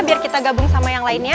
biar kita gabung sama yang lainnya